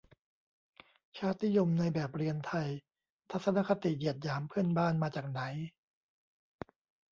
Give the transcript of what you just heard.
"ชาตินิยมในแบบเรียนไทย" ทัศนคติเหยียดหยามเพื่อนบ้าน มาจากไหน ?